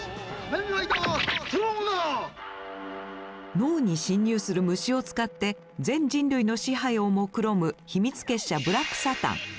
脳に侵入する虫を使って全人類の支配をもくろむ秘密結社ブラックサタン。